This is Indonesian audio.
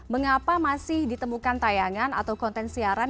mengapa masih ditemukan tayangan atau konten siaran